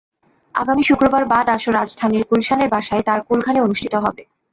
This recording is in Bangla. আগামী শুক্রবার বাদ আসর রাজধানীর গুলশানের বাসায় তাঁর কুলখানি অনুষ্ঠিত হবে।